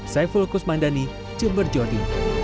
saya fulkus mandani jember jodi